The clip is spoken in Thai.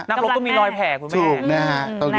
นักรบก็มีรอยแผลคุณแม่ะถูกนะตรงนี้